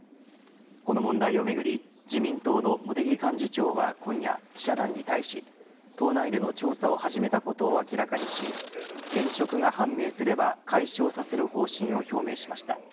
この問題をめぐり自民党の茂木幹事長は今夜記者団に対し党内での調査を始めたことを明らかにし兼職が判明すれば、解消させる方針を表明しました。